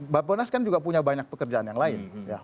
bapak nas kan juga punya banyak pekerjaan yang lain